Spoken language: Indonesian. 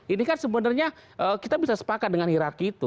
ini kan sebenarnya kita bisa sepakat dengan hirarki itu